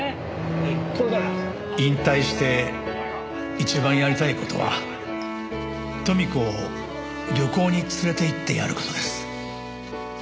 「引退して一番やりたい事は豊美子を旅行に連れていってやる事です」